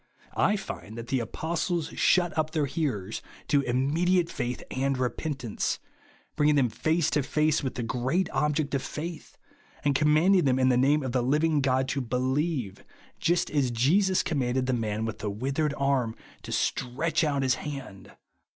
I find that the apostles shut up their hearers to imraedi ate faith and re jyentance, bringing them face to face with the great object of faith, and commanding them in the name of the living God to be lieve, just as Jesus commanded the man with the ivithered arm to stretch out his hand.